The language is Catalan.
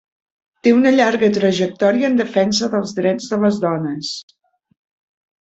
Té una llarga trajectòria en defensa dels drets de les dones.